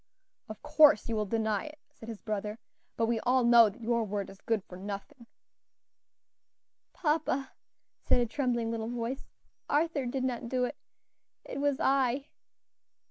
"Of course you will deny it," said his brother, "but we all know that your word is good for nothing." "Papa," said a trembling little voice, "Arthur did not do it; it was I."